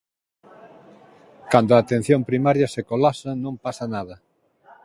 Cando a Atención Primaria se colapsa non pasa nada.